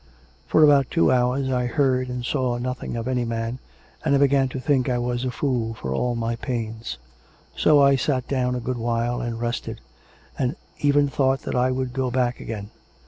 For about two hours I heard and saw nothing of any man, and I began to think I was a fool for all my pains. So I sat down a good while and rested, and even thought that I would go back again.